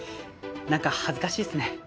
なんか恥ずかしいっすね。